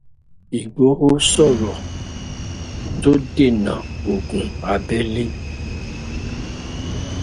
Ìgbòho sọ̀rọ̀ tó dènà ogun abẹ́lé.